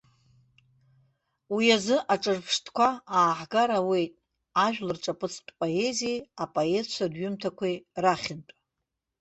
Уи азы аҿырԥштәқәа ааҳгар ауеит ажәлар рҿаԥыцтә поезиеи апоетцәа рҩымҭақәеи рахьынтә.